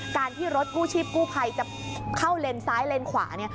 การที่รถกู้ชีพกู้ภัยจะเข้าเลนซ้ายเลนขวา